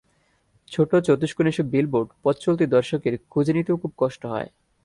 ছোট চতুষ্কোণ এসব বিলবোর্ড পথচলতি দর্শকের খুঁজে নিতেও খুব কষ্ট হয়।